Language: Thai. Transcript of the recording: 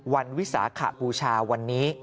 วันวิสาขปูชาวันนี้